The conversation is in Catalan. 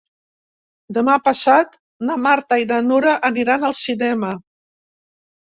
Demà passat na Marta i na Nura aniran al cinema.